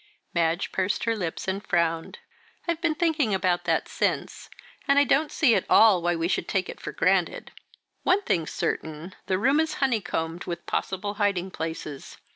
Madge pursed her lips and frowned. "I've been thinking about that since, and I don't at all see why we should take it for granted. One thing's certain, the room is honeycombed with possible hiding places.